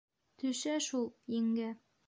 — Төшә шул, еңгә.